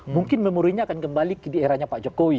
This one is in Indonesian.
mungkin memorinya akan kembali di eranya pak jokowi